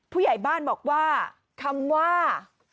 ผู้ใหญ่บ้านบอกว่าคำว่า